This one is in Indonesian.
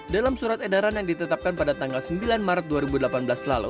dalam surat edaran yang ditetapkan pada tanggal sembilan maret dua ribu delapan belas lalu